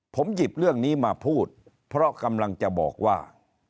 ผมหยิบเรื่องนี้มาพูดเพราะกำลังจะบอกว่า